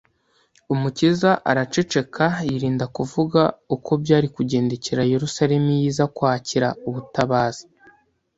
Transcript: " Umukiza araceceka, yirinda kuvuga uko byari kugendekera Yerusalemu iyo iza kwakira ubutabazi,